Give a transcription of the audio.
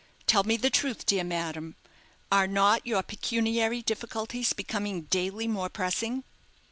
Tell me the truth dear madame, are not your pecuniary difficulties becoming daily more pressing?"